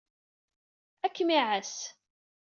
Ad kem-iɛass.